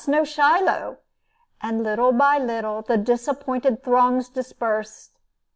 no Shiloh; and, little by little, the disappointed throngs dispersed!